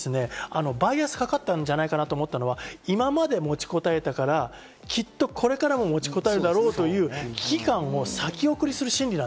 バイアスがかかったんじゃないかなと思ったのが今まで持ちこたえたから、きっとこれからも持ちこたえるだろうという危機感を先送りする心理。